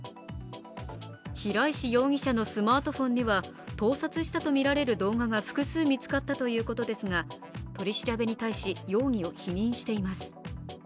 平石容疑者のスマートフォンには盗撮したとみられる動画が複数見つかったということですが、取り調べに対し、容疑を否認しています。